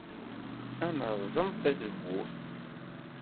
Ad nerẓem tazewwut.